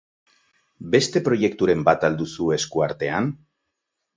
Beste proiekturen bat al duzu esku artean?